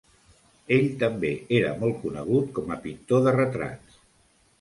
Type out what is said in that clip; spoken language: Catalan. Ell també era molt conegut com a pintor de retrats.